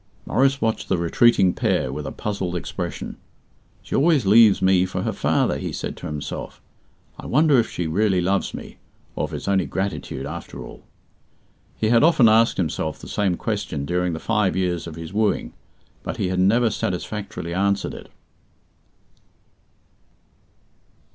Maurice watched the retreating pair with a puzzled expression. "She always leaves me for her father," he said to himself. "I wonder if she really loves me, or if it's only gratitude, after all?" He had often asked himself the same question during the five years of his wooing, but he had never satisfactorily answered it.